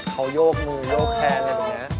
เขายกมือยกแคนแบบนี้